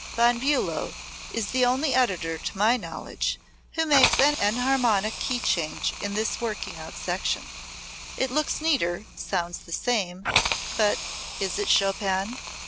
Von Bulow is the only editor, to my knowledge, who makes an enharmonic key change in this working out section. It looks neater, sounds the same, but is it Chopin?